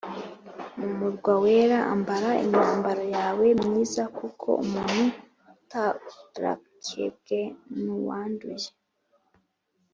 Mu murwa wera ambara imyambaro yawe myiza kuko umuntu utarakebwe n uwanduye